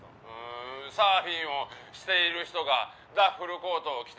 「サーフィンをしている人がダッフルコートを着ていた」